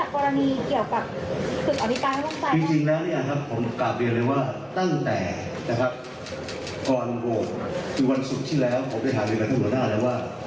ผมได้ทางด้วยกับท่านหัวหน้าแล้วว่า